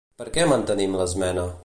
Per què mantenim l'esmena?